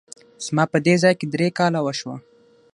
زما په دې ځای کي درې کاله وشوه !